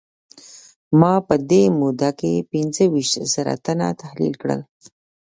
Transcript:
ما په دې موده کې پينځه ويشت زره تنه تحليل کړل.